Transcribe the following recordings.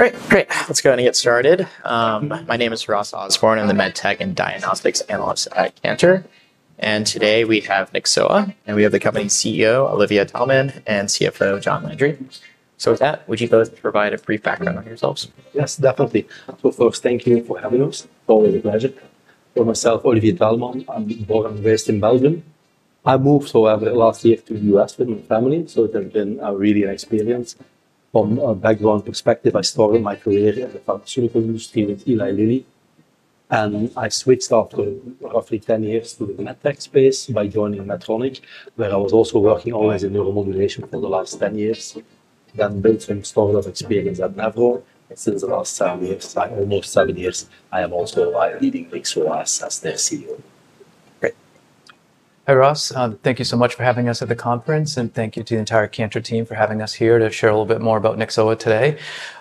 Alright. Great. Let's go ahead and get started. My name is Ross Osborne. I'm the med tech and diagnostics analyst at Cantor. And today, we have Nexoa, and we have the company's CEO, Olivier Dalman, and CFO, John Landry. So with that, would you go ahead and provide a brief background on yourselves? Yes. Definitely. So first, thank you for having us. Always a pleasure. For myself, Olivier Valmont. I'm born and raised in Belgium. I moved, however, last year to The US with my family. So it has been really an experience. From a background perspective, I started my career in the pharmaceutical use team with Eli Lilly. And I switched off for roughly ten years to the med tech space by joining Medtronic, where I was also working always in neuromodulation for the last ten years. Then built some store of experience at Navro. And since the last seven years, almost seven years, I am also leading as their CEO. Hi, Ross. Thank you so much for having us at the conference and thank you to the entire cancer team for having us here to share a little bit more about Nexo today.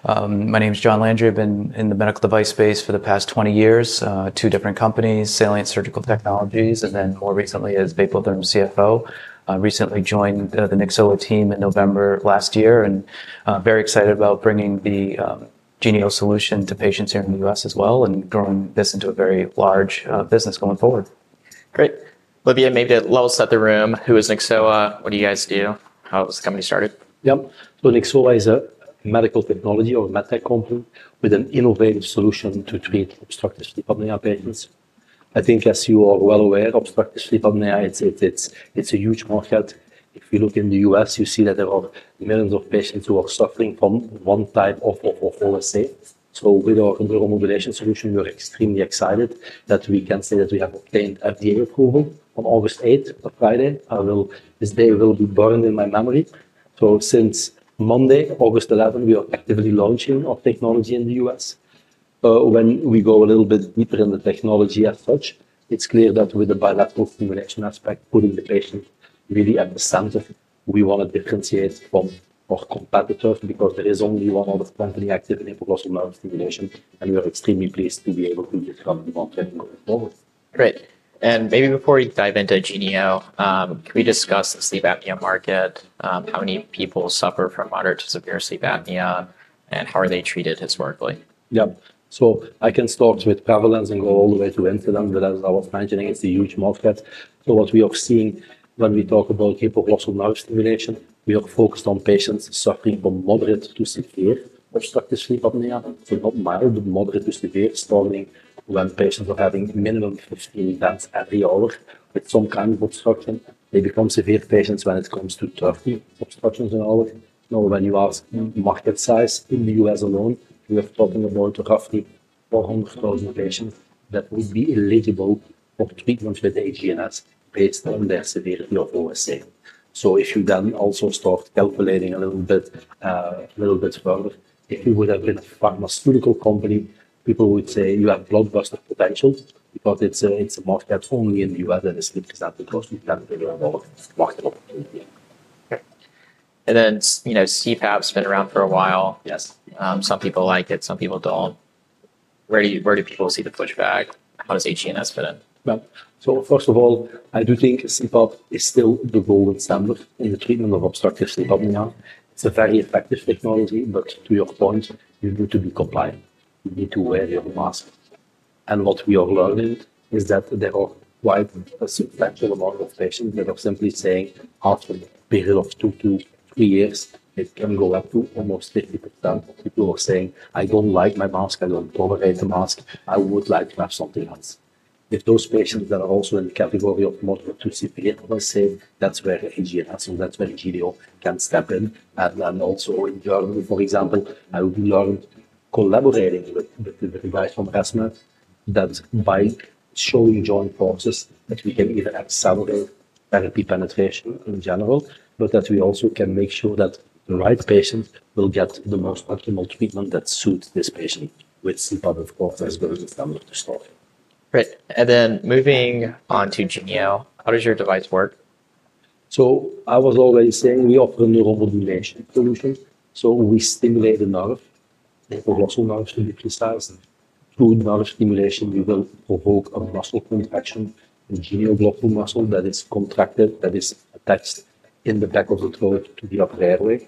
My name is John Landry. I've been in the medical device space for the past twenty years. Two different companies, Salient Surgical Technologies and then more recently as Vapotherm CFO. I recently joined the Nexola team in November and very excited about bringing the Genio solution to patients here in The US as well and growing this into a very large business going forward. Great. Libya, maybe let us set the room. Who is Nexoa? What do you guys do? How was the company started? Yes. So Nexoa is a medical technology or a medtech company with an innovative solution to treat obstructive sleep apnea patients. I think as you are well aware, obstructive sleep apnea, it's a huge market. If you look in The U. S, you see that there are millions of patients who are suffering from one type of, let's say. So with our internal mobilization solution, we are extremely excited that we can say that we have obtained FDA approval on August 8, on Friday. I will this day will be burned in my memory. So since Monday, August 11, we are actively launching our technology in The U. S. When we go a little bit deeper in the technology as such, it's clear that with the bilateral stimulation aspect, putting the patient really at the center, we want to differentiate from our competitors because there is only one other company active in epiglottis stimulation, and we are extremely pleased to be able to recover the content going forward. Great. And maybe before we dive into Gneo, can we discuss the sleep apnea market? How many people suffer from moderate to severe sleep apnea? And how are they treated historically? Yeah. So I can start with prevalence and go all the way to insulin, but as I was mentioning, it's a huge market. So what we have seen when we talk about hypoglossal nerve stimulation, we are focused on patients suffering from moderate to severe obstructive sleep apnea, mild to moderate to severe swallowing when patients are having minimum of skin intense every hour with some kind of obstruction. They become severe patients when it comes to 30 obstructions in all. Now when you ask market size in The U. S. Alone, we are talking about trophy or home closure patients that would be eligible for treatments with the AGNS based on their severe, not always safe. So if you then also start calculating a little bit further, if you would have been a company, people would say you have blockbuster potential because it's a market only and you are the listed because you can deliver a lot of market opportunity. And then CPAP has been around for a while. Yes. Some people like it, some people don't. Where do people see the push back? How does AT and S fit in? Well, so first of all, I do think CPAP is still the golden standard in the treatment of obstructive sleep apnea. It's a very effective technology, but to your point, you need to be compliant. You need to wear your mask. And what we have learned is that there are quite a substantial amount of patients that are simply saying after a period of two to three years, it can go up to almost 50. People are saying, I don't like my mask, I don't tolerate the mask, I would like to have something else. If those patients that are also in the category of multiple 2C period, let's say, that's where the EGN has, that's where EGDO can step in. And then also in Germany, for example, I would be collaborating with the device from ResMed that by showing joint process that we can either accelerate therapy penetration in general, but that we also can make sure that the right patient will get the most optimal treatment that suits this patient with sleep other quarters as well as the standard of the story. Great. And then moving on to Jineo, how does your device work? So I was always saying we offer neuromodulation solution. So we stimulate the nerve for muscle mass to neutralize. Through nerve stimulation, we will provoke a muscle contraction, a genial gluco muscle that is contracted, that is attached in the back of the throat to the upper airway.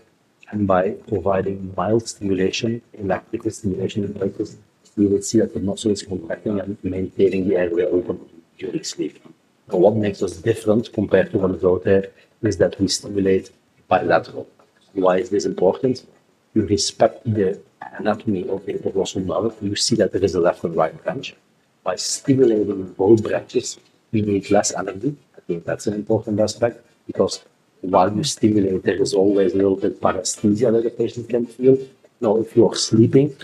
And by providing mild stimulation, in that particular stimulation of the pancreas, we will see that the muscle is contracting and maintaining the airway open during sleep. Now what makes us different compared to what is out there is that we stimulate bilateral. Why is this important? You respect the anatomy of the intercostal nerve. You see that there is a left or right branch. By stimulating both branches, we need less energy. I think that's an important aspect because while you stimulate, there is always a little bit of paresthesia that the patient can feel. Now if you are sleeping,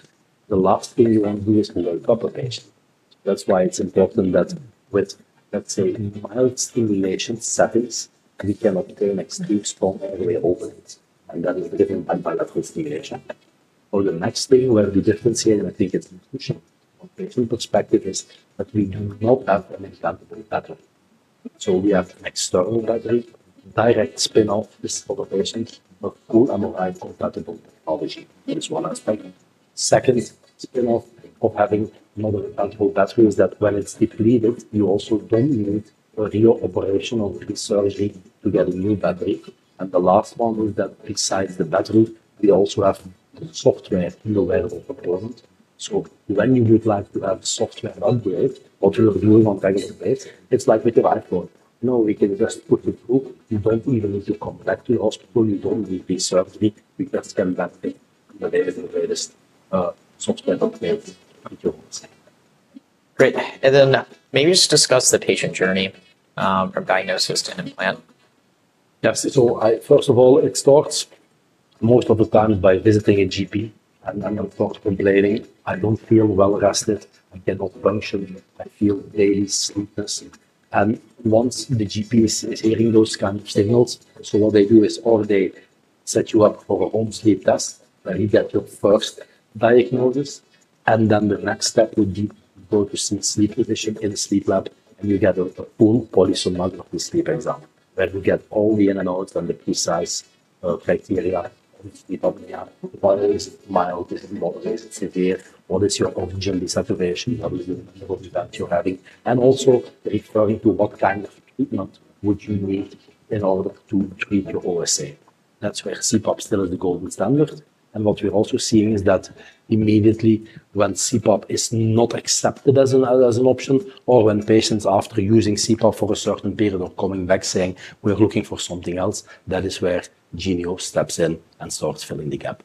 the last thing you don't do is the very copper patient. That's why it's important that with, let's say, mild stimulation settings, you can obtain extreme spots anywhere open, and that is driven by bilateral stimulation. For the next thing where we differentiate, I think it's crucial from the two perspective is that we do not have an implantable battery. So we have an external direct spin off, this is for the patients, but good MRI compatible technology is one aspect. Second spin off of having another compatible battery is that when it's depleted, you also then need a real operational surgery to get a new battery. And the last one is that excites the battery. We also have software available for the moment. So when you would like to have software upgrade or to have a new one, it's like with the iPhone. No, we can just put the proof. We don't even need to come back to the hospital. We don't need the surgery. We just can't back the data and the latest software update. Great. And then maybe just discuss the patient journey from diagnosis to implant. Yes. So first of all, it starts most of the time by visiting a GP and I'm not complaining, I don't feel well rested, I cannot function, I feel daily sleepiness. And once the GP is is hearing those kind of signals, so what they do is all day set you up for a home sleep test where you get your first diagnosis. And then the next step would be go to sleep sleep physician in the sleep lab, and you get a full polysomnography sleep exam, where we get all the unknowns and the precise criteria of sleep apnea. What is it mild? Is it moderate? Is it severe? What is your oxygen desaturation? How will you be able to do that you're having? And also referring to what kind of treatment would you need in order to treat your OSA. That's where CPAP still is the golden standard. And what we're also seeing is that immediately when CPAP is not accepted as an option or when patients after using CPAP for a certain period are coming back saying, we're looking for something else, that is where Genio steps in and starts filling the gap.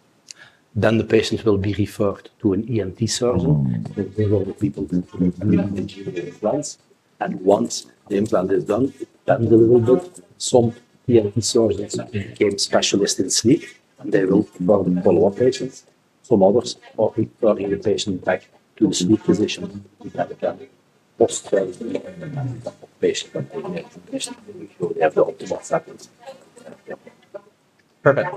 Then the patient will be referred to an ENT surgeon, will be able the implants. And once the implant is done, then we will do some P and P surgeons became specialists in sleep, and they will follow-up patients. Some others are bringing the patient back to sleep position. Patient. Perfect.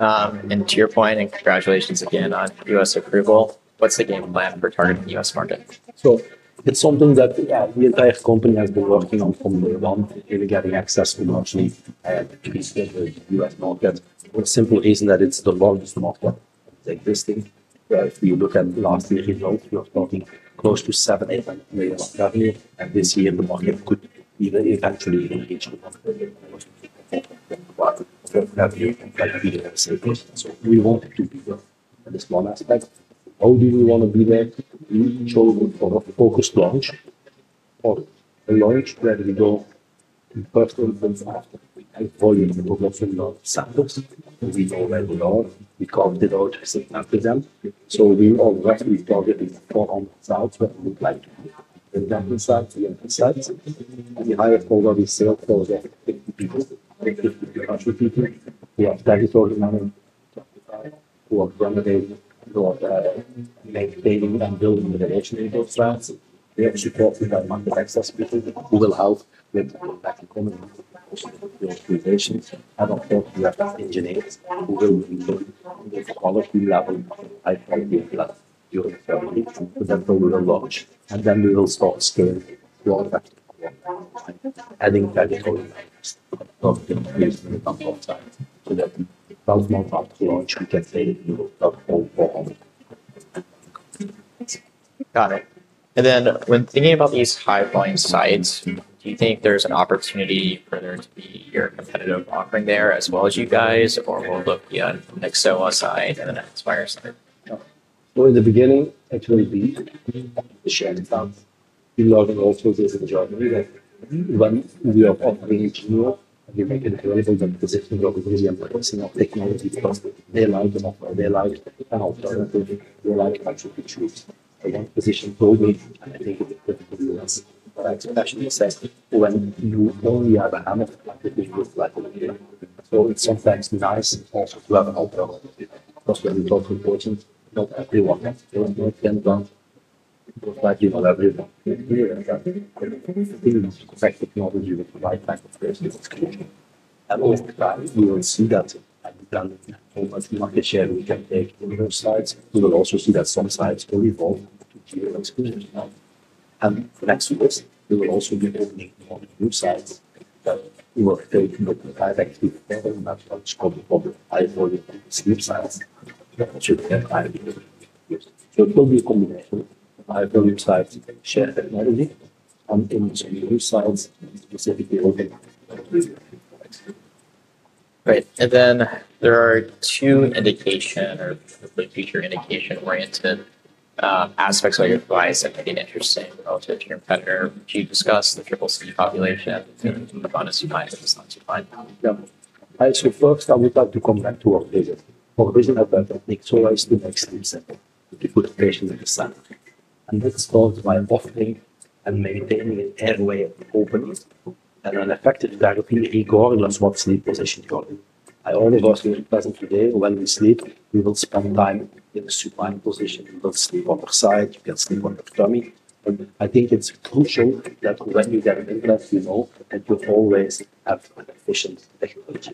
Have And to your point, and congratulations again on US approval, what's the game plan for targeting US market? So it's something that the entire company has been working on from the ground in getting access to margin and to be scheduled in U. S. Market. What's simple is that it's the largest market, the existing, where if you look at the last year results, we are talking close to $708,100 dollars of revenue. And this year, the market could either eventually engage the market. So we want to be there in this one aspect. How do you wanna be there? We show them for a focused launch or a launch where we go in personal events after. And for you, we will also love samples. We know where we are. We call them out to them. So Got it. And then when thinking about these high volume sites, do you think there's an opportunity for there to be your competitive offering there as well as you guys, or will it look beyond the Nexoa side and then the Aspire side? So in the beginning, actually, we shared in France. We love in all sources of the. Right. And then there are two indication or the future indication oriented aspects of your device that may be interesting relative to your competitor. Can you discuss the CCC population and the Bundes you find and the Bundes you find? Yes. Actually, first, I would like to come back to our visit. For reason, think, so I still make sure treatment to we put have the patient in the center. And this is caused by buffering and maintaining an airway openings and an effective therapy. Igor, that's what sleep position you are in. I already was very pleasant today. When we sleep, we will spend time in the supine position. You will sleep on the side, you can sleep on the tummy. I think it's crucial that when you get an implant, you know, that you always have an efficient technology.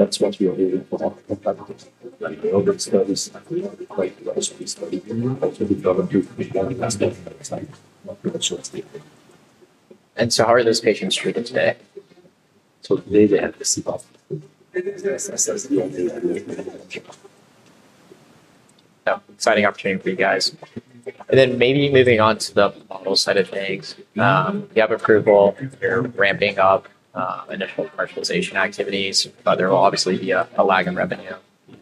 And so how are those patients treated today? So they they have the CBAF. Exciting opportunity for you guys. And then maybe moving on to the model side of things. You have approval ramping up initial commercialization activities, but there will obviously be a a lag in revenue.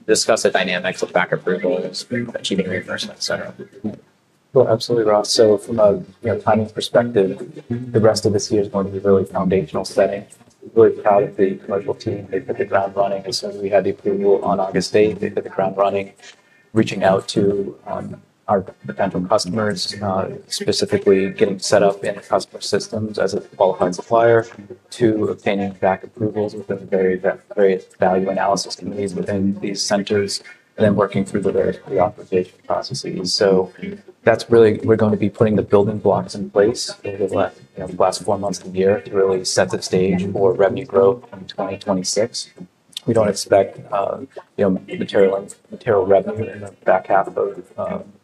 Discuss the dynamics of back approvals, achieving reimbursement, etcetera. Well, absolutely, Ross. So from a timing perspective, the rest of this year is going to be really foundational setting. We've had the commercial team, they put the ground running. So we had the approval on August day. They put the ground running, reaching out to our the Pentium customers, specifically getting set up in customer systems as a qualifying supplier to obtaining back approvals with a very very value analysis committees within these centers and then working through the various preoperative processes. That's really we're gonna be putting the building blocks in place over the last, you know, the last four months of the year to really set the stage for revenue growth in 2026. We don't expect material revenue in the back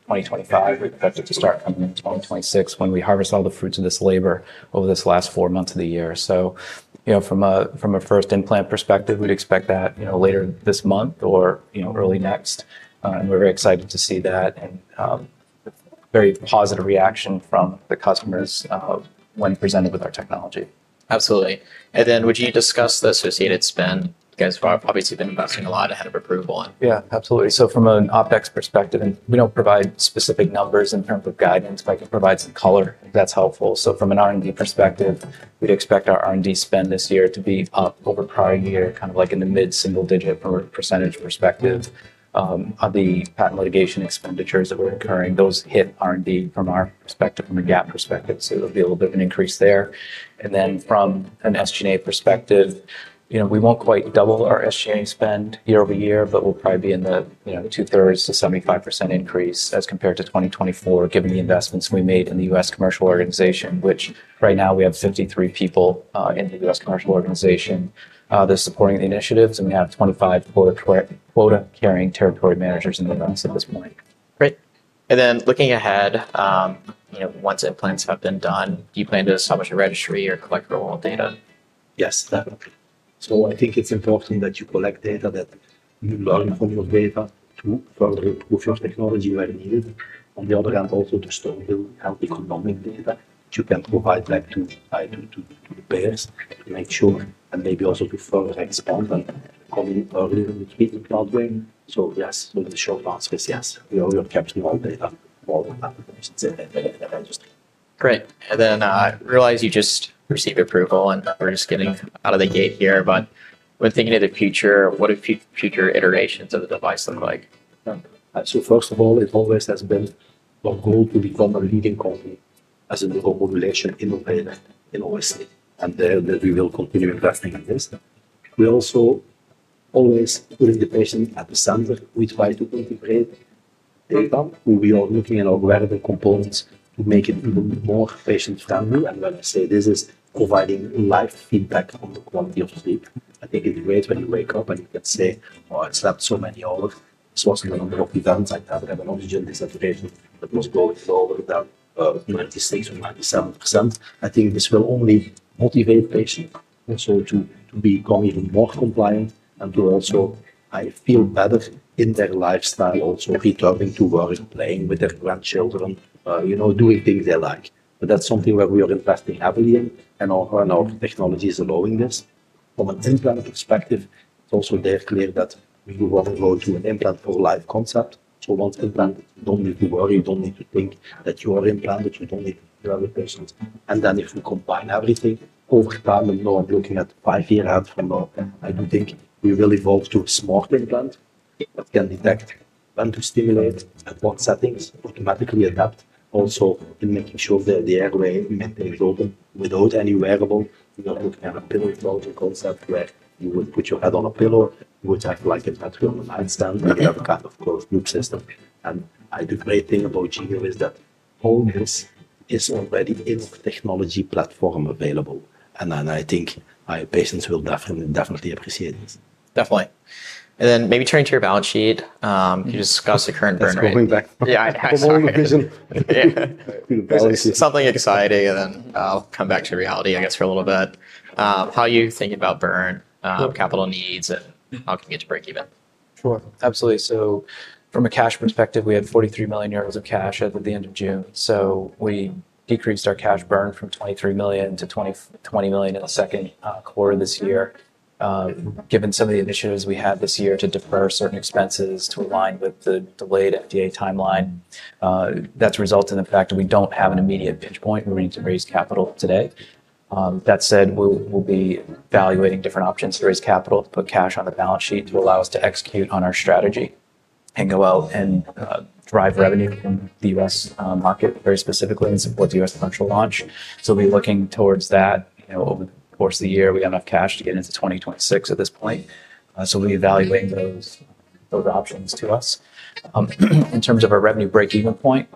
2025. We expect it to start coming in 2026 when we harvest all the fruits of this labor over this last four months of the year. From a first implant perspective, we'd expect that later this month or early next. And we're very excited to see that and very positive reaction from the customers when presented with our technology. Absolutely. And then would you discuss the associated spend? Because we've obviously been investing a lot ahead of approval on. Yes, absolutely. So from an OpEx perspective, and we don't provide specific numbers in terms of guidance, but I can provide some color, if that's helpful. So from an R and D perspective, we'd expect our R and D spend this year to be up over prior year, kind of like in the mid single digit percentage perspective. On the patent litigation expenditures that were incurring, those hit R and D from our perspective, from a GAAP perspective. So there'll be a little bit of an increase there. And then from an SG and A perspective, we won't quite double our SG and A spend year over year, but we'll probably be in the two thirds to 75% increase as compared to 2024, given the investments we made in the U. S. Commercial organization, which right now, we have 53 people in the US commercial organization. They're supporting the initiatives, and we have 25 quota quota carrying territory managers in the ranks at this point. Great. And then looking ahead, you know, once implants have been done, do you plan to establish a registry or collect the old data? Yes. Definitely. So I think it's important that you collect data that you learn from your data to further with your technology where you need it. On the other hand, also to store your health economic data, you can provide that to to payers to make sure and maybe also prefer to expand and call it earlier in the cloud brain. So, yes, one of the short answer is yes. We are capturing all data, all the applications in the data that I just Great. And then I realize you just received approval, and we're just getting out of the gate here. But when thinking of the future, what do future iterations of the device look like? So first of all, it always has been our goal to become a leading company as a local population in the brain and OSCE and there we will continue investing in this. We also always put the patient at the center. We try to integrate data. We are looking at our relevant components to make it look more patient friendly. When I say this is providing live feedback on the quality of sleep. I think it degrades when you wake up and you can say, oh, I slept so many hours. So what's going on? What's going I've had an oxygen dissertation that was going slower than 96 or 97%. I think this will only motivate patients also to become even more compliant and to also I feel better in their lifestyle also returning to work and playing with their grandchildren, you know, doing things they like. But that's something that we are investing heavily in and our and our technology is allowing this. From an implant perspective, it's also very clear that we do rather go to an implant for a life concept. So once implant, don't need to worry, don't need to think that you are implanted with only the other patients. And then if we combine everything, over time, you are looking at five year out from now, I do think we will evolve to a smart implant that can detect when to stimulate, at what settings, automatically adapt, also in making sure that the airway maintains open without any wearables, are looking at a pillow floater concept where you would put your head on a pillow, you would act like a battery on a nightstand, you have kind of closed loop system. And the great thing about gHill is that all this is already in technology platform available. And then I think my patients will definitely definitely appreciate this. Definitely. And then maybe turning to your balance sheet. Can you discuss the current burn rate? Back. Yeah. I've had some reason. Always see. Something exciting, and then I'll come back to reality, I guess, for a little bit. How are you thinking about burn, capital needs, and how can we get to breakeven? Sure. Absolutely. So from a cash perspective, we had €43,000,000 of cash at the June. So we decreased our cash burn from 23,000,000 to 20,000,000 in the second quarter this year. Given some of the initiatives we had this year to defer certain expenses to align with the delayed FDA time line, that's resulted in the fact that we don't have an immediate pinch point. We need to raise capital today. That said, we'll we'll be evaluating different options to raise capital, put cash on the balance sheet to allow us to execute on our strategy and go out and drive revenue from The US market very specifically and support The US launch. We're looking towards that over the course of the year. We got enough cash to get into 2026 at this point. So we'll be evaluating those options to us. In terms of our revenue breakeven point,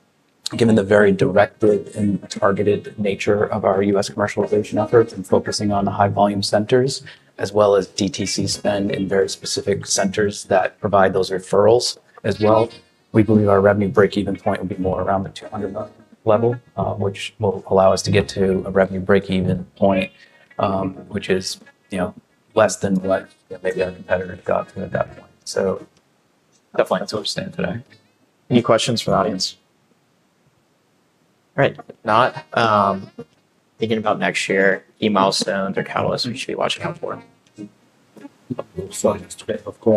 given the very directed and targeted nature of our U. S. Commercialization efforts and focusing on high volume centers as well as DTC spend in very specific centers that provide those referrals as well, We believe our revenue breakeven point will be more around the $200 level, which will allow us to get to a revenue breakeven point, which is, you know, less than what maybe our competitor got at that point. So definitely, that's where we stand today. Any questions from audience? Alright. If not, thinking about next year, any milestones or catalysts we should be watching out for. Of course.